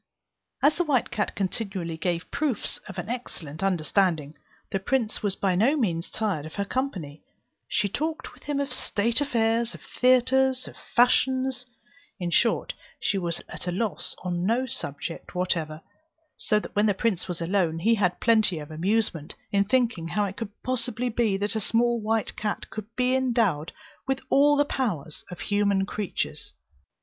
As the white cat continually gave proofs of an excellent understanding, the prince was by no means tired of her company; she talked with him of state affairs, of theatres, of fashions; in short, she was at a loss on no subject whatever; so that when the prince was alone, he had plenty of amusement in thinking how it could possibly be that a small white cat could be endowed with all the powers of human creatures.